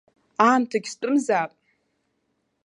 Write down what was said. Аамҭагь стәымзаап.